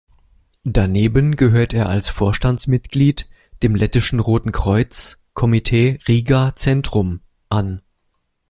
Daneben gehört er als Vorstandsmitglied dem Lettischen Roten Kreuz, Komitee Riga-Zentrum an.